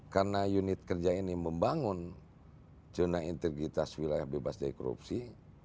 karena unit kerja ini membangun jurnal integritas wilayah bebas dari korupsi